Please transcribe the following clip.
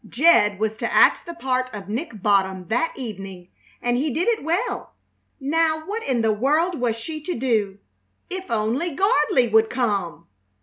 Jed was to act the part of Nick Bottom that evening, and he did it well! Now what in the world was she to do? If only Gardley would come!